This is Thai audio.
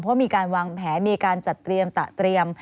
เพราะมีการวางแผนมีการจัดเตรียมตะเตรียม